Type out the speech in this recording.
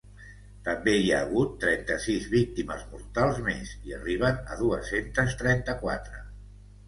També hi ha hagut trenta-sis víctimes mortals més i arriben a dues-centes trenta-quatre.